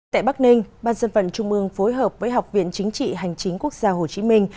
tại bắc ninh ban dân vận trung ương phối hợp với học viện chính trị hành chính quốc gia hồ chí minh